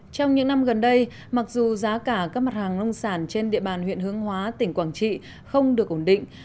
trong những năm gần đây mặc dù giá cả các mặt hàng nông sản trên địa bàn huyện hướng hóa tỉnh quảng trị không được ổn định